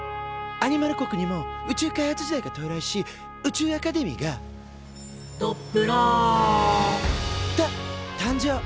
アニマル国にも宇宙開発時代が到来し宇宙アカデミーが「ドップラ！」と誕生。